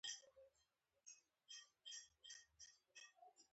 غوماشې د هوا تودوخه پېژني.